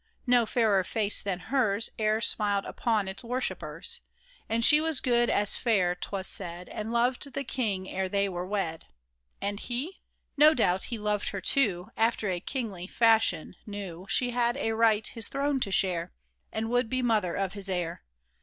No fairer face than hers E'er smiled upon its worshippers ; And she was good as fair, 'twas said, And loved the king ere they were wed. And he ? No doubt he loved her, too, After a kingly fashion — knew She had a right his throne to share, And would be mother of his heir.